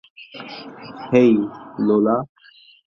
হেই, লোলা।